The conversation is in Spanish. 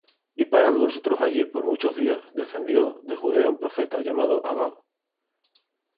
Y parando nosotros allí por muchos días, descendió de Judea un profeta, llamado Agabo;